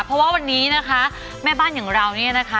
เพราะว่าวันนี้นะคะแม่บ้านอย่างเราเนี่ยนะคะ